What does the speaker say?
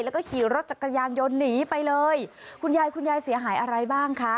แล้วก็ขี่รถจักรยานยนต์หนีไปเลยคุณยายคุณยายเสียหายอะไรบ้างคะ